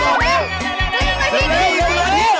ลงขานะคะลงขาตัวนี้